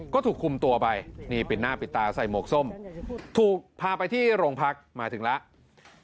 ก็ถูกคุมตัวไปนี่ปิดหน้าปิดตาใส่หมวกส้มถูกพาไปที่โรงพักมาถึงแล้ว